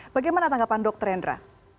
bagaimana tanggapan dr rendra